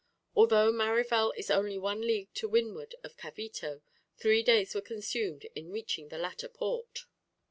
Although Marivelle is only one league to windward of Cavito, three days were consumed in reaching the latter port.